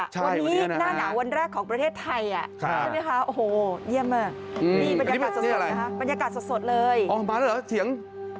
วันนี้หน้าหนาวันแรกของประเทศไทยนี่ค่ะโอ้โฮเยี่ยมมากมีบรรยากาศสดเลยอ๋อมาแล้วเหรอเฉียง